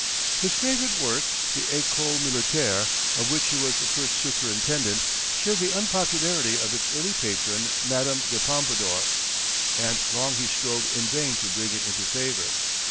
His favorite work, the École Militaire, of which he was the first superintendent, shared the unpopularity of its early patron, Madame de Pompadour, and long he strove in vain to bring it into favor.